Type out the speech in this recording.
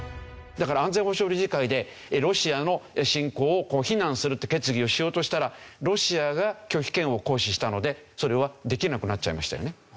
だから安全保障理事会でロシアの侵攻を非難するって決議をしようとしたらロシアが拒否権を行使したのでそれはできなくなっちゃいましたよね。